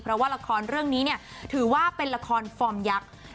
เพราะว่าละครเรื่องนี้เนี่ยถือว่าเป็นละครฟอร์มยักษ์